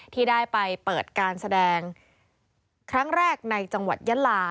ที่ได้ไปเปิดการแสดงครั้งแรกในจังหวัดยะลา